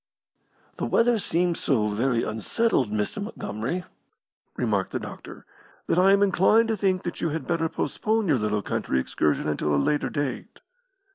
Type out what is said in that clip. "The weather seems so very unsettled, Mr. Montgomery," remarked the doctor, "that I am inclined to think that you had better postpone your little country excursion until a later date."